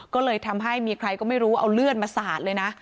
ก็เลยทำให้มีใครก็ไม่รู้เอาเลือดมาสาดเลยนะ